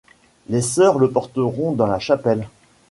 Les sœurs le porteront dans la chapelle.